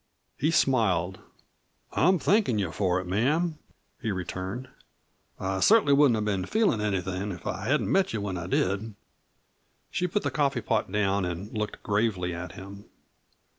He smiled. "I'm thankin' you for it, ma'am," he returned. "I cert'nly wouldn't have been feelin' anything if I hadn't met you when I did." She put the coffee pot down and looked gravely at him.